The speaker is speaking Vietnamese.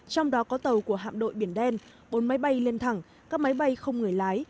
trong đó có tàu của hạm đội biển đen bốn máy bay lên thẳng các máy bay không người lái